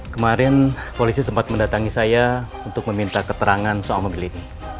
kemarin polisi sempat mendatangi saya untuk meminta keterangan soal mobil ini